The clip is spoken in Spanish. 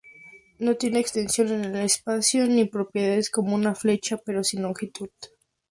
No tiene extensión en el espacio ni propiedades, como una flecha pero sin longitud.